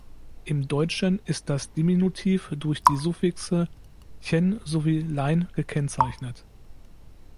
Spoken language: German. Im Deutschen ist das Diminutiv durch die Suffixe "-chen" sowie "-lein" gekennzeichnet.